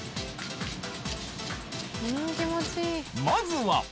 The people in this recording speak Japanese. まずは！